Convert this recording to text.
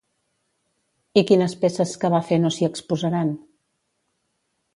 I quines peces que va fer no s'hi exposaran?